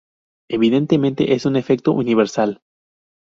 Evidentemente, es un "efecto universal".